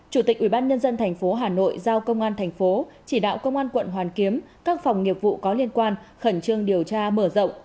chủ tịch ubnd tp hà nội giao công an thành phố chỉ đạo công an quận hoàn kiếm các phòng nghiệp vụ có liên quan khẩn trương điều tra mở rộng